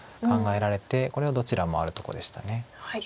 これはどちらもあるとこでした。